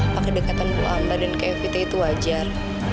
apa kedekatan bu ambar dan kak evita itu wajar